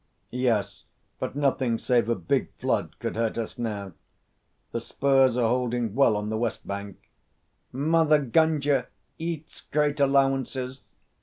"Yes, but nothing save a big flood could hurt us now. The spurs are holding well on the West Bank." "Mother Gunga eats great allowances.